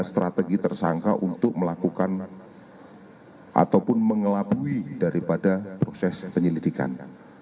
strategi tersangka untuk melakukan ataupun mengelabui daripada proses penyelidikan